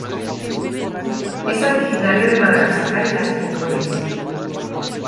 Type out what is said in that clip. Es originario de Madagascar y las Comores.